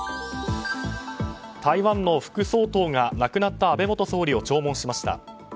台湾の副総統が亡くなった安倍元総理を弔問しました。